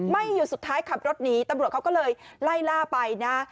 ไม่หยุดสุดท้ายขับรถหนีตำรวจเขาก็เลยไล่ล่าไปนะ